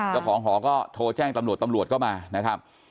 เจ้าของหอก็โทรแจ้งตำรวจตำรวจก็มานะครับ